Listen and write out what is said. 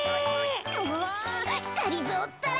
もうがりぞーったら！